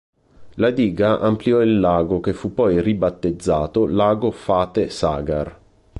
La diga ampliò il lago che fu poi ribattezzato, lago Fateh Sagar.